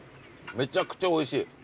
めちゃくちゃおいしい。